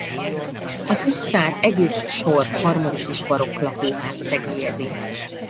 Az utcát egész sor harmonikus barokk lakóház szegélyezi.